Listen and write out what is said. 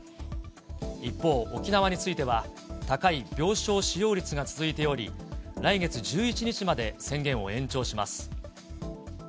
一方、沖縄については、高い病床使用率が続いており、来月１１日まで宣言を延長します。